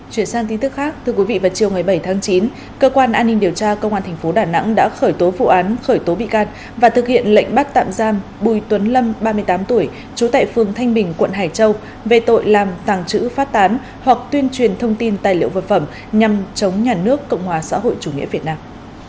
chuyển sang tin tức khác thưa quý vị vào chiều ngày bảy tháng chín cơ quan an ninh điều tra công an thành phố đà nẵng đã khởi tố vụ án khởi tố bị can và thực hiện lệnh bắt tạm giam bùi tuấn lâm ba mươi tám tuổi trú tại phương thanh bình quận hải châu về tội làm tàng trữ phát tán hoặc tuyên truyền thông tin tài liệu vật phẩm nhằm chống nhà nước cộng hòa xã hội chủ nghĩa việt nam